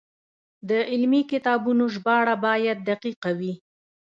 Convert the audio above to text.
د علمي کتابونو ژباړه باید دقیقه وي.